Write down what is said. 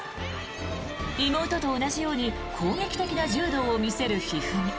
妹と同じように攻撃的な柔道を見せる一二三。